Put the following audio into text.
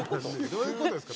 どういうことですか？